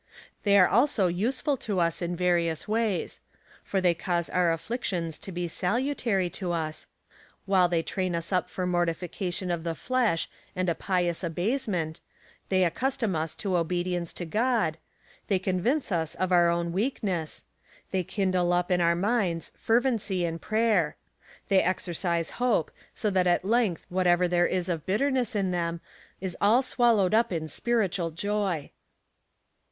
They are also useful to us in vari ous ways ; for they cause our afflictions to be salutary to us, while they train us up for mortification of the flesh, and a pious abasement — they accustom us to obedience to God — they convince us of our own weakness — they kindle up in our minds fervency in prayer — they exercise hope, so that at lenefth whatever there is of bitterness in them is all swal lowed up in spiritual joy.